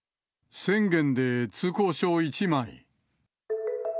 １０００元で通行証を１枚。